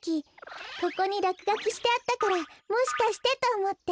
ここにらくがきしてあったからもしかしてとおもって。